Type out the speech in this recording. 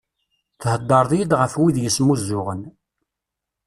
Theddreḍ-iyi-d ɣef wid yesmuzzuɣen.